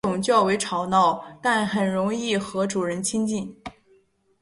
该种较为吵闹但很容易和主人亲近。